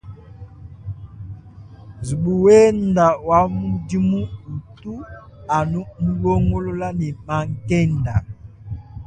Nzubu wenda wa mudimu utu anu mulongolola ne mankenda.